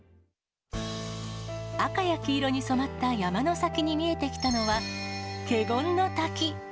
赤や黄色に染まった山の先に見えてきたのは、華厳の滝。